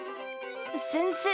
先生？